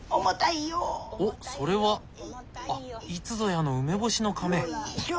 おっそれはあっいつぞやの梅干しのカメ。